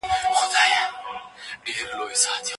چای بیا تود شوی دی.